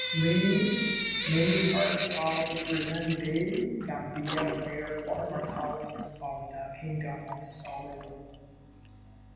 Many parts of present-day Gambia were former colonies of the Kingdom of Saloum.